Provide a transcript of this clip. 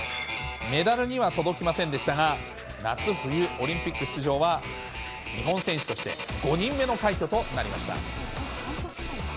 メダルには届きませんでしたが、夏冬オリンピック出場は日本選手として５人目の快挙となりました。